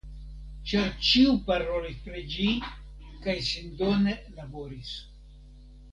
Ĉar ĉiu parolis pri ĝi, kaj sindone laboris.